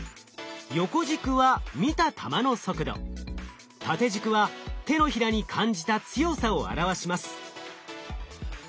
横軸は見た球の速度縦軸は手のひらに感じた強さを表します。